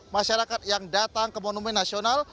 masyarakat yang datang ke monumen nasional